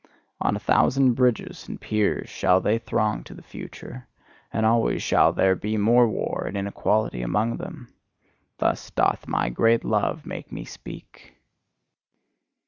On a thousand bridges and piers shall they throng to the future, and always shall there be more war and inequality among them: thus doth my great love make me speak!